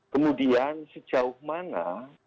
kemudian sejauh mana